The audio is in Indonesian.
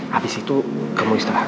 habis itu kamu istirahat